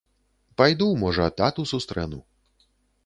Пайду, можа, тату сустрэну.